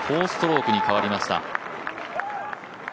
４ストロークに変わりました